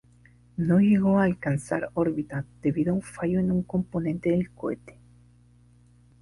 No llegó a alcanzar órbita debido a un fallo en un componente del cohete.